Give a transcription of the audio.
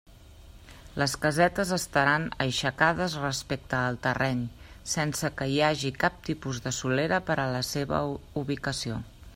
Les casetes estaran aixecades respecte al terreny, sense que hi hagi cap tipus de solera per a la seva ubicació.